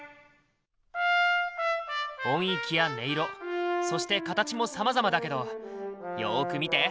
音域や音色そして形もさまざまだけどよく見て。